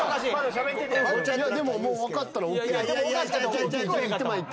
でも分かったらＯＫ。